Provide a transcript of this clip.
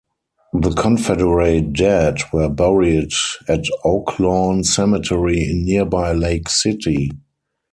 The Confederate dead were buried at Oaklawn Cemetery in nearby Lake City.